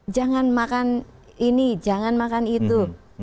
jangan makan ini jangan makan itu